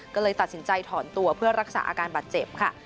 ก็เลยตัดสินใจถอนตัวเพื่อรักษาอาการบาดเจ็บค่ะ